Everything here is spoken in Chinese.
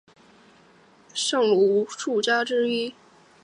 山内上杉家是室町时代在关东地方割据的上杉氏诸家之一。